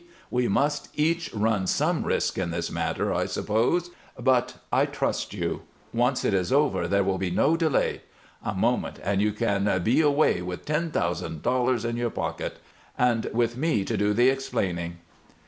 We must each run some risk in this matter, I suppose; but I trust you. Once it is over, there will be no delay. A moment and you can be away with ten thousand dollars in your pocket and with me to do the explaining."